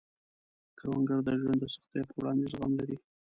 کروندګر د ژوند د سختیو په وړاندې زغم لري